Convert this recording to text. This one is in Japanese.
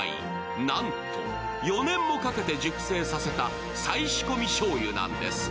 なんと４年も掛けて熟成させた再仕込みしょうゆなんです。